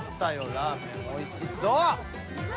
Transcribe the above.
ラーメンおいしそう！